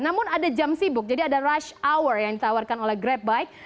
namun ada jam sibuk jadi ada rush hour yang ditawarkan oleh grabbike